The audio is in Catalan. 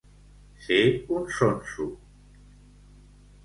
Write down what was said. Ser un sonso.